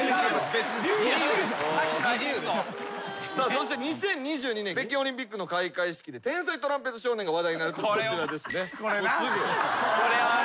そして２０２２年北京オリンピックの開会式で天才トランペット少年が話題になるとこちらですね。